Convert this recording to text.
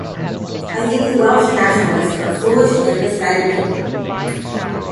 I think the Welsh nationalists are foolish and misguided people.